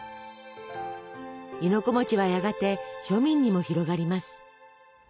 亥の子はやがて庶民にも広がります。